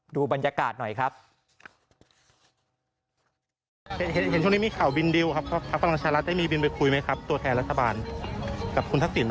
ดูบรรยากาศหน่อยครับ